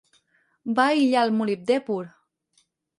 Va aïllar el molibdè pur.